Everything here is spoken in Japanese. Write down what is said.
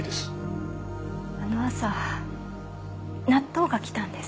あの朝納豆が来たんです。